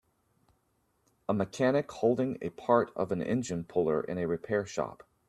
A mechanic holding part of an engine puller in a repair shop.